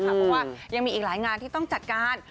เพราะว่ายังมีอีกหลายงานที่ต้องจัดการ